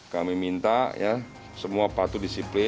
kami minta semua patuh disiplin